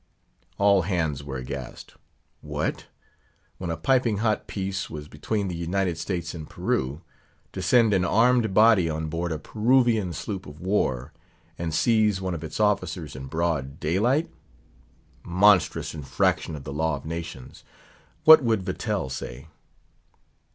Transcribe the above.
All hands were aghast—What? when a piping hot peace was between the United States and Peru, to send an armed body on board a Peruvian sloop of war, and seize one of its officers, in broad daylight?—Monstrous infraction of the Law of Nations! What would Vattel say?